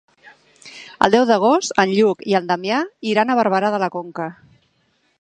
El deu d'agost en Lluc i en Damià iran a Barberà de la Conca.